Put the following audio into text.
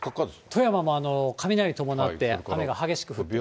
富山も雷伴って雨が激しく降っています。